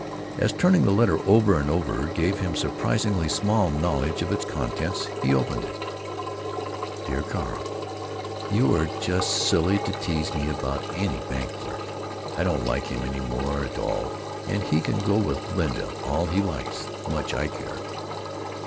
As turning the letter over and over gave him surprisingly small knowledge of its contents, he opened it: Dear Carl,—You are just silly to tease me about any bank clerk. I don't like him any more at all and he can go with Linda all he likes, much I care!